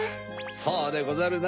そうでござるな！